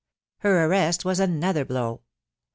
Her arrest was another blow. .